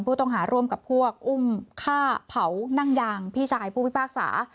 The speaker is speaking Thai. ผู้ต้องหาร่วมกับพวกอุ้มฆ่าเผานั่งยางพี่ชายผู้พิพากษา